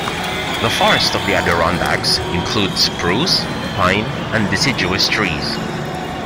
The forests of the Adirondacks include spruce, pine and deciduous trees.